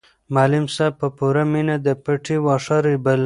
معلم صاحب په پوره مینه د پټي واښه رېبل.